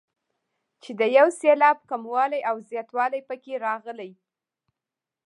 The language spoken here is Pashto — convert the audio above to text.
چې د یو سېلاب کموالی او زیاتوالی پکې راغلی.